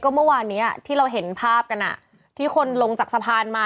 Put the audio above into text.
เมื่อวานนี้ที่เราเห็นภาพกันที่คนลงจากสะพานมา